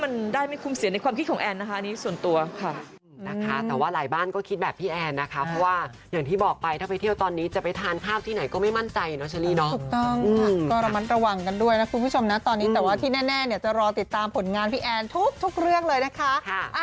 มันได้ไม่คุ้มเสียในความคิดของแอนนะคะอันนี้ส่วนตัวค่ะ